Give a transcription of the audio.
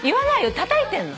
たたいてんの。